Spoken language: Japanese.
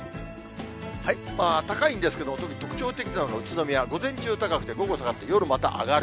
高いんですけれども、特に特徴的なのが宇都宮、午前中高くて、午後下がって、夜また上がる。